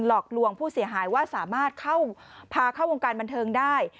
หลอกลวงผู้เสียหายว่าสามารถพาเข้าวงการบันเทิงได้